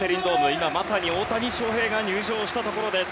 今、まさに大谷翔平が入場したところです。